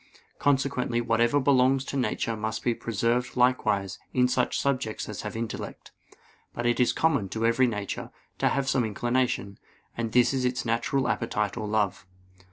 Consequently whatever belongs to nature must be preserved likewise in such subjects as have intellect. But it is common to every nature to have some inclination; and this is its natural appetite or love.